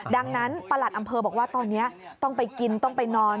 ดังนั้นประหลัดอำเภอบอกว่าตอนนี้ต้องไปกินต้องไปนอน